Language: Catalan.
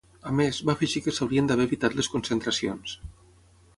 A més, va afegir que s’haurien d’haver evitat les concentracions.